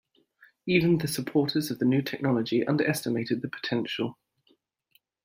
Even the supporters of the new technology underestimated the potential.